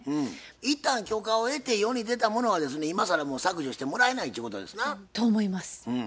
一旦許可を得て世に出たものはですね今更もう削除してもらえないっちゅうことですな？と思います。